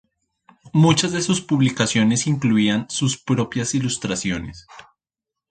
Muchas de sus publicaciones incluían sus propias ilustraciones.